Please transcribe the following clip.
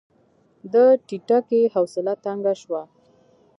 د ټيټکي حوصله تنګه شوه.